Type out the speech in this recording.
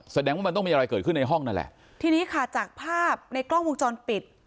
แสดงว่ามันต้องมีอะไรเกิดขึ้นในห้องนั่นแหละทีนี้ค่ะจากภาพในกล้องวงจรปิด